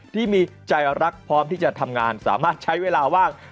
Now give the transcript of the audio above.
ที่มีใจรักพร้อมที่จะทำงานสามารถใช้เวลาว่าง